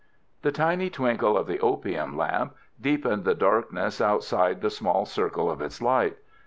The tiny twinkle of the opium lamp deepened the darkness outside the small circle of its light.